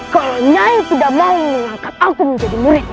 kalau nyai tidak mau mengangkat aku menjadi muridmu